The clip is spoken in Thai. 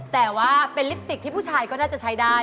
แต่ว่าเป็นลิปสติกที่ผู้ชายก็น่าจะใช้ได้